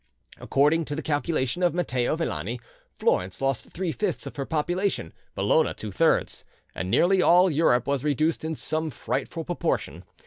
According to the calculation of Matteo Villani, Florence lost three fifths of her population, Bologna two thirds, and nearly all Europe was reduced in some such frightful proportion.